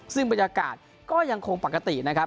ซึ่งบรรยากาศก็ยังคงปกตินะครับ